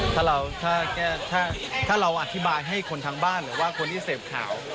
ถ้าเราอธิบายให้คนทั้งบ้านหรือว่าคนที่เสพข่าว